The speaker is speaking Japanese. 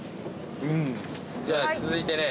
じゃあ続いてね。